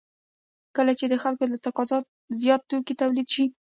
کله چې د خلکو له تقاضا زیات توکي تولید شي